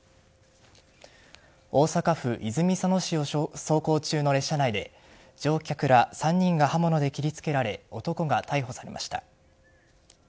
大阪府泉佐野市を走行中の列車内で乗客ら３人が刃物で切り付けられ男が逮捕されました。